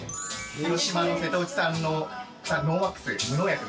広島の瀬戸内産のノーワックス無農薬の。